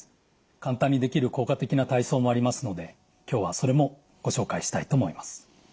簡単にできる効果的な体操もありますので今日はそれもご紹介したいと思います。